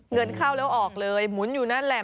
เงินเข้าแล้วออกเลยหมุนอยู่นั่นแหละ